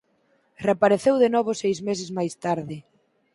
Reapareceu de novo seis meses máis tarde.